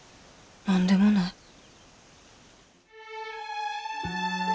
何でもない。